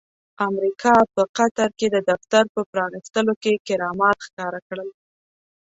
امريکا په قطر کې د دفتر په پرانستلو کې کرامات ښکاره کړل.